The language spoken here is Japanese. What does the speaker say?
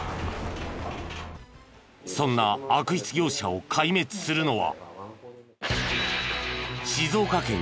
そんな悪質業者を壊滅するのは。